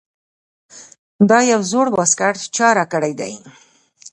دا یو زوړ واسکټ چا راکړے دے ـ